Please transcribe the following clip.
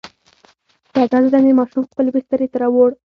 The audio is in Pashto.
په ډاډه زړه مې ماشوم خپلې بسترې ته راووړ.